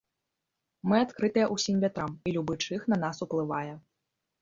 Мы адкрытыя ўсім вятрам і любы чых на нас уплывае.